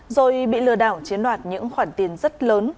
rồi bị lừa đảo chiếm đoạt những khoản tiền rất lớn